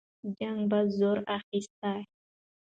جنګ به زور اخیسته.